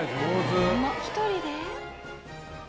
１人で？